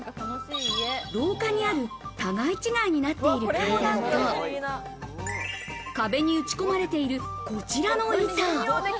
廊下にある、互い違いになっている階段と、壁に打ち込まれているこちらの板。